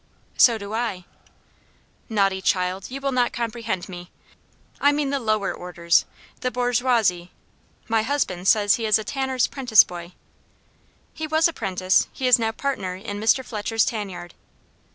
"So do I." "Naughty child, you will not comprehend me. I mean the lower orders, the bourgeoisie. My husband says he is a tanner's 'prenticeboy." "He was apprentice; he is now partner in Mr. Fletcher's tan yard."